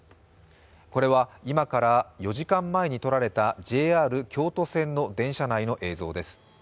これは今から４時間前に撮られたＪＲ京都線の電車内の映像です。